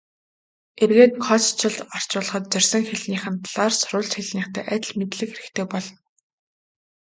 Эргээд кодчилж орчуулахад зорьсон хэлнийх нь талаар сурвалж хэлнийхтэй адил мэдлэг хэрэгтэй болно.